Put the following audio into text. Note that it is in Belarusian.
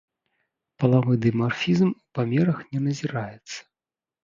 Палавы дымарфізм ў памерах не назіраецца.